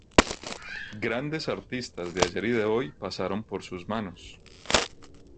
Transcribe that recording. Grandes artistas de ayer y de hoy pasaron por sus manos.